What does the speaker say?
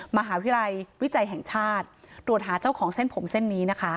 มหาวิทยาลัยวิจัยแห่งชาติตรวจหาเจ้าของเส้นผมเส้นนี้นะคะ